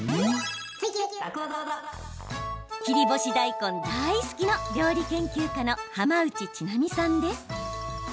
切り干し大根大好き！の料理研究家の浜内千波さんです。